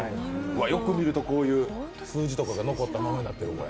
よく見ると、こういう数字とかが残ったままになっている。